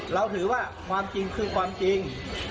เราถือว่าความจริงคือความจริง